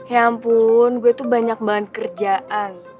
ya ampun gue tuh banyak banget kerjaan